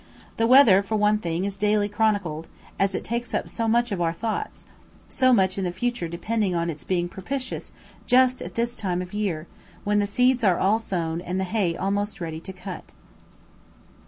The weather, for one thing, is daily chronicled, as it takes up much of our thoughts, so much in the future depending on its being propitious just at this time of year, when the seeds are all sown and the hay almost ready to cut.